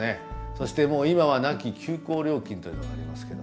そしてもう今はなき急行料金というのがありますけども。